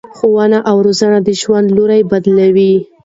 ښوونه او روزنه د ژوند لوری بدلوي.